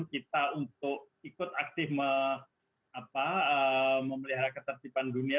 kita untuk ikut aktif memelihara ketertiban dunia